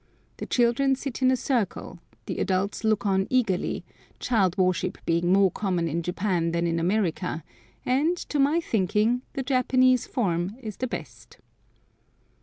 The children sit in a circle, and the adults look on eagerly, child worship being more common in Japan than in America, and, to my thinking, the Japanese form is the best.